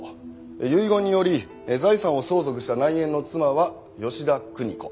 遺言により財産を相続した内縁の妻は吉田久仁子。